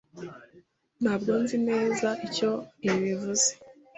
Ntabwo nzi neza icyo ibi bivuze.